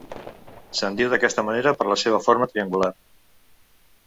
Se'n diu d'aquesta manera per la seva forma triangular.